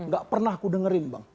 gak pernah aku dengerin bang